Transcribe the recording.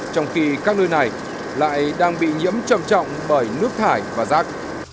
trong khi các nơi này lại đang bị nhiễm trầm trọng bởi nước thải và rác